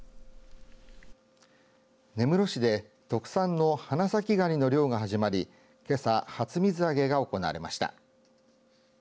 根室市で特産の花咲ガニの漁が始まりけさ、初水揚げが行われました。